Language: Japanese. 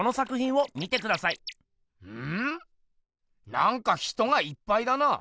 なんか人がいっぱいだな。